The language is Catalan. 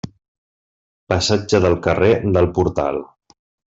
Passatge del carrer del Portal.